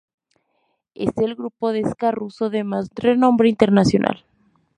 Es el grupo de ska ruso de más renombre internacional.